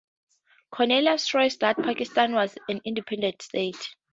Cornelius stressed that Pakistan was an independent state.